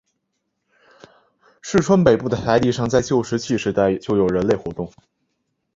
市川北部的台地上在旧石器时代就有人类活动。